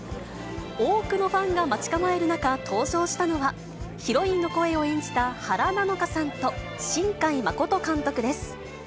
多くのファンが待ち構える中、登場したのは、ヒロインの声を演じた原菜乃華さんと、新海誠監督です。